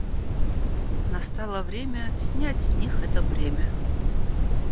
Настало время снять с них это бремя.